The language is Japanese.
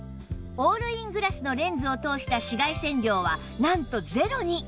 オールイングラスのレンズを通した紫外線量はなんとゼロに！